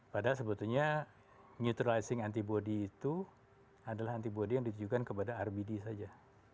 padahal sebetulnya neutralizing antibody itu adalah antibody yang ditujukan kepada rbd saja